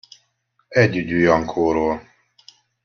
Együgyű Jankóról!